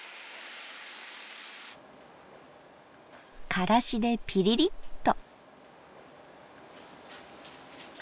からしでピリリッと。